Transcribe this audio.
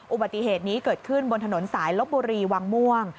อุบัติเหตุนี้เกิดขึ้นบนถนนสายลบบุรีวังม่วง